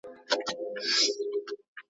يووالی مو برکت دی.